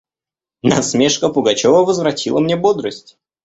Насмешка Пугачева возвратила мне бодрость.